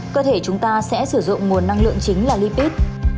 cơ thể chúng ta sẽ sử dụng nguồn năng lượng chính là lipid